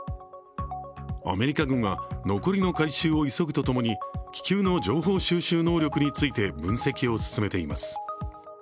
アメリカ軍は残りの回収を急ぐとともに気球の情報収集能力について分析を進めています。